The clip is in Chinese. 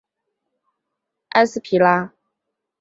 埃斯皮拉。